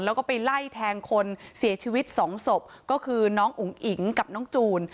แล้วก็ไปไล่แทงคนเสียชีวิตสองศพก็คือน้องอุ๋งอิ๋งกับน้องจูน